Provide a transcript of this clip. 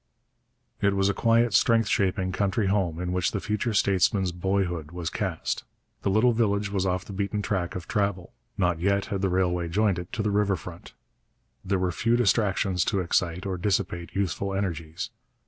It was a quiet, strength shaping country home in which the future statesman's boyhood was cast. The little village was off the beaten track of travel; not yet had the railway joined it to the river front. There were few distractions to excite or dissipate youthful energies.